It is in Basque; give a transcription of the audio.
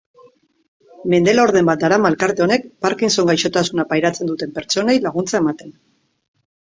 Mende laurden bat darama elkarte honek parkinson gaixotasuna pairatzen duten pertsonei laguntza ematen.